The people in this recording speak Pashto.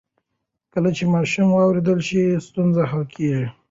کله چې ماشوم واورېدل شي، ستونزې حل کېږي.